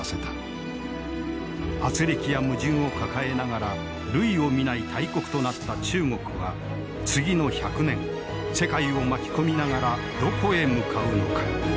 あつれきや矛盾を抱えながら類を見ない大国となった中国は次の１００年世界を巻き込みながらどこへ向かうのか。